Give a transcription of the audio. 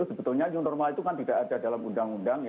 sebetulnya new normal itu kan tidak ada dalam undang undang